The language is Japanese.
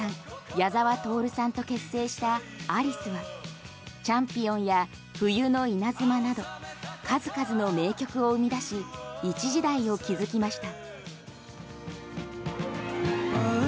矢沢透さんと結成したアリスは「チャンピオン」や「冬の稲妻」など数々の名曲を生み出し一時代を築きました。